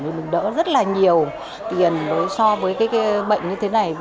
thì mình đỡ rất là nhiều tiền so với cái bệnh như thế này